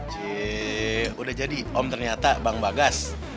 si udah jadi om ternyata bang bagas